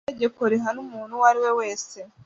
Itegeko rihana umuntu uwo ari we wese